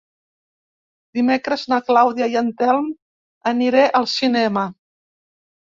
Dimecres na Clàudia i en Telm aniré al cinema.